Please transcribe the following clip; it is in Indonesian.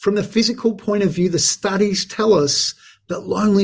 kesehatan mental yang tinggi